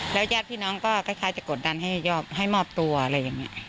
แล้วยาดพี่น้องก็คล้ายจะกดดันให้ยอบให้มอบตัวอะไรอย่างนี้